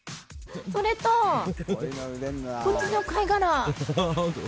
それと、こっちの貝殻。